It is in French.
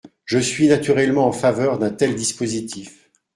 Je suis naturellement en faveur d’un tel dispositif.